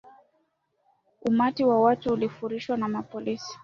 Umati wa watu ulifurushwa na mapolisi